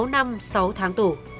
sáu năm sáu tháng tù